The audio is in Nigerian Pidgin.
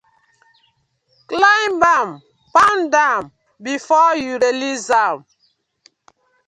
Climb am, pound am befor yu release am.